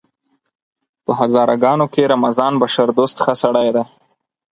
په هزاره ګانو کې رمضان بشردوست ښه سړی دی!